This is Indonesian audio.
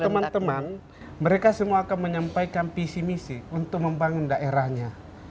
teman teman mereka semua akan menyampaikan visi misi untuk membangun daerahnya